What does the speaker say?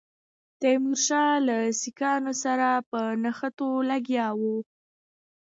تیمورشاه له سیکهانو سره په نښتو لګیا وو.